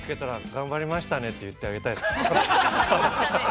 頑張りましたねって、言ってあげたいね。